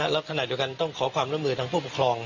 แล้วขณะเดียวกันต้องขอความร่วมมือทางผู้ปกครอง